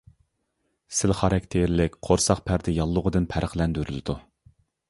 سىل خاراكتېرلىك قورساق پەردە ياللۇغىدىن پەرقلەندۈرۈلىدۇ.